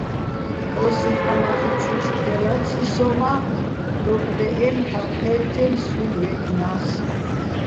ოსი ჰ̦ანახიჩუჲშვ ფე ლაცი სოჼ, მა დოკ დეჸენო̆, ჰ̦ალო ჴეთთენო̆ სუჲნი̆ ვეჸნას.